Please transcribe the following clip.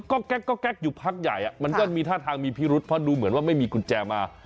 ก็แก๊กอยู่พักใหญ่มันก็มีท่าทางมีพิรุษเพราะดูเหมือนว่าไม่มีกุญแจมา